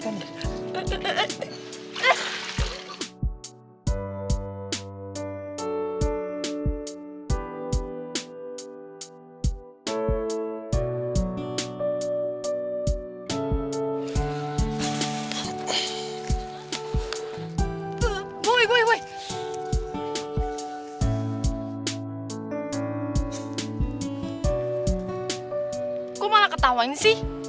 kok malah ketawa ini sih